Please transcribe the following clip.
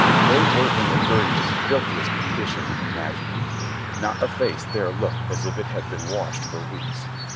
They were in the dirtiest, filthiest condition imaginable, not a face there looked as if it had been washed for weeks.